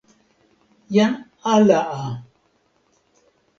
jan ala a.